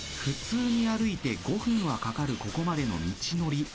普通に歩いて５分はかかるここまでの道のり。